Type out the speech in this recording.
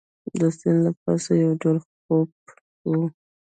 د سیند له پاسه یو ډول خوپ وو.